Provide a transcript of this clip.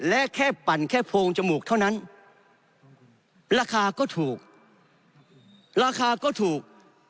และแค่ปั่นแค่โพงจมูกเท่านั้นราคาก็ถูกราคาก็ถูก